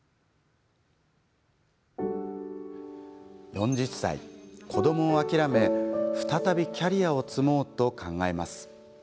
４０歳、子どもを諦め再びキャリアを積もうと考えます。